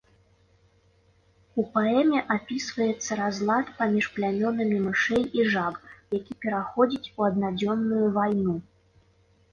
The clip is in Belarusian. У паэме апісваецца разлад паміж плямёнамі мышэй і жаб, які пераходзіць у аднадзённую вайну.